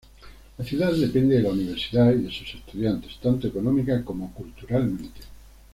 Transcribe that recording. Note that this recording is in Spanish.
La ciudad depende de la universidad y de sus estudiantes, tanto económica como culturalmente.